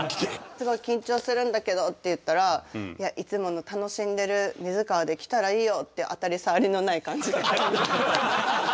「すごい緊張するんだけど」って言ったら「いやいつもの楽しんでる水川で来たらいいよ」っていう当たり障りのない感じで。